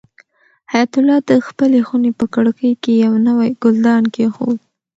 حیات الله د خپلې خونې په کړکۍ کې یو نوی ګلدان کېښود.